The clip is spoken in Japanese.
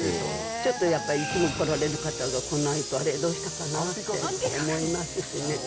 ちょっとやっぱり、いつも来られる方が来ないと、あれ、どうしたかなって思いますしね。